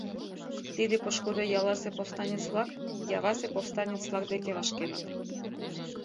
Тиде пошкудо ялласе повстанец-влак Явасе повстанец-влак деке вашкеныт.